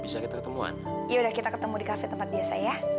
yaudah kita ketemu di cafe tempat biasa ya